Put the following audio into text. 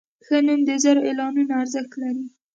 ښه نوم د زر اعلانونو ارزښت لري.